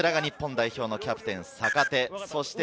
日本代表のキャプテンでもある坂手。